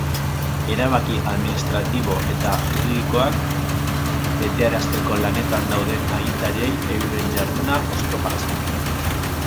Erabaki administratibo eta juridikoak betearazteko lanetan dauden agintariei euren jarduna oztopatzea.